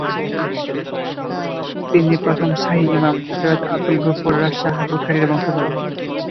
তিনি প্রথম শাহী ইমাম সৈয়দ আব্দুল গফুর শাহ বুখারীর বংশধর।